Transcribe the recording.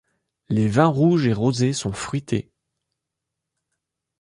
Les vins rouges et rosés sont fruités.